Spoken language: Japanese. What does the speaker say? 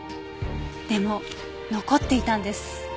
でも残っていたんです